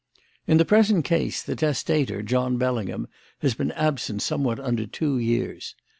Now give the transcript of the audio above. "In the present case, the testator, John Bellingham, has been absent somewhat under two years.